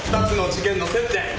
２つの事件の接点！